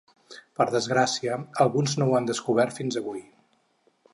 Per desgràcia, alguns no ho han descobert fins avui.